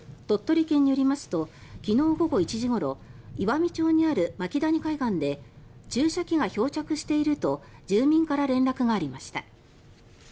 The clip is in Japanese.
鳥取県によりますと昨日午後１時ごろ岩美町にある牧谷海岸で注射器が漂着していると住民から連絡がありました。